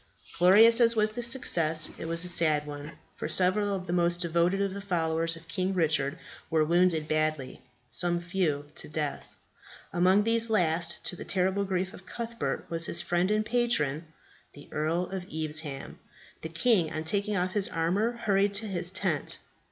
Glorious as was the success, it was a sad one, for several of the most devoted of the followers of King Richard were wounded badly, some few to death. Among these last, to the terrible grief of Cuthbert, was his friend and patron, the Earl of Evesham. The king, on taking off his armour, hurried to his tent.